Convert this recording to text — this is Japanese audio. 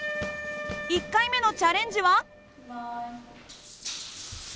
１回目のチャレンジは？いきます。